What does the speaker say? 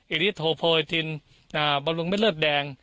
อิริตโฮโพโอทินบำลวงเม็ดเลือดแดง